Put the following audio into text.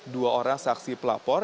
dua orang saksi pelapor